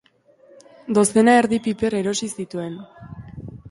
Dozena erdi piper erosi zituen.